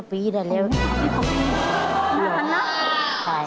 ๓๐ปีได้เลย